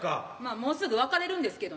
もうすぐ別れるんですけど。